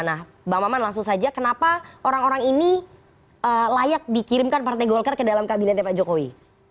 nah bang maman langsung saja kenapa orang orang ini layak dikirimkan partai golkar ke dalam kabinetnya pak jokowi